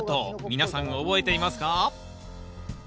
皆さん覚えていますか？